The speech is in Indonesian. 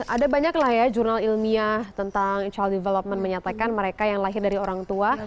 ada banyak lah ya jurnal ilmiah tentang child development menyatakan mereka yang lahir dari orang tua